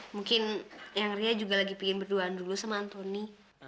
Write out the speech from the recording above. mungkin yang ria juga lagi pingin berduaan dulu sama antoni